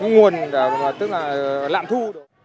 nguồn tức là lạm thu